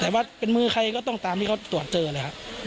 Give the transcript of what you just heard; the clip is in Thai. แต่ว่าเป็นมือใครก็ต้องตามที่เขาตรวจเจอเลยครับ